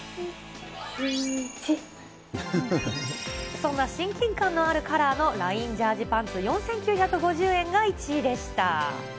そんな親近感のあるカラーのラインジャージパンツ４９５０円が１位でした。